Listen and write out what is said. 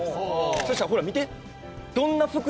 そしたらほら見て。